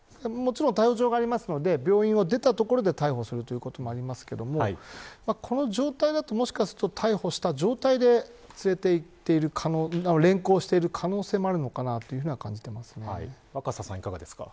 逮捕状がありますので病院を出たところで逮捕することもありますがこの状態だと、もしかすると逮捕した状態で連行している可能性も若狭さん、いかがですか。